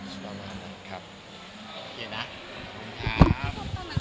ครับโอเคนะขอบคุณครับ